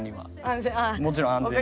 もちろん安全に。